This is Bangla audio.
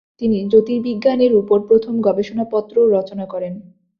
তিনি জ্যোতির্বিজ্ঞানের উপর প্রথম গবেষণাপত্র রচনা করেন।